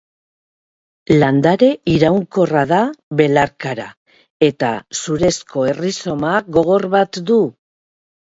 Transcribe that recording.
Landare iraunkorra da, belarkara, eta zurezko errizoma gogor bat du.